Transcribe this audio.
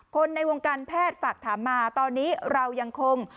คนในวงการแพทย์ฝากถามมาตอนนี้เรายังคง